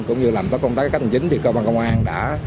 cũng như làm tốt công tác hành chính thì công an công an đã